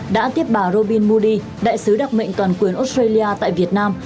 đã tiếp bà robin mudi đại sứ đặc mệnh toàn quyền australia tại việt nam